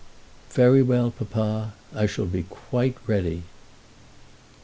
"Very well, papa; I shall be quite ready."